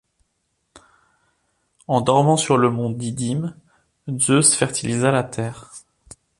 En dormant sur le mont Didyme, Zeus fertilisa la terre.